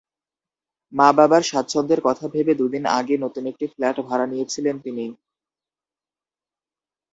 মা-বাবার স্বাচ্ছন্দ্যের কথা ভেবে দুদিন আগে নতুন একটি ফ্ল্যাট ভাড়া নিয়েছিলেন তিনি।